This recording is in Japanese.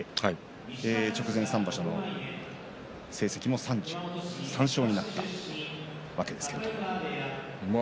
直前３場所の成績が３３勝になったということです。